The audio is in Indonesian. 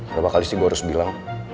berapa kali sih gue harus bilang